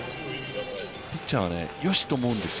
ピッチャーは、よしと思うんですよ